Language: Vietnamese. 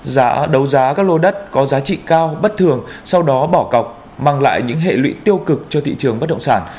giá đấu giá các lô đất có giá trị cao bất thường sau đó bỏ cọc mang lại những hệ lụy tiêu cực cho thị trường bất động sản